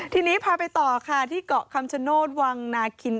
ทีนี้พาไปต่อค่ะที่เกาะคำชโนธวังนาคิน